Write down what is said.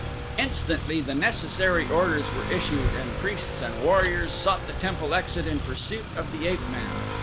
Instantly the necessary orders were issued and priests and warriors sought the temple exit in pursuit of the ape man.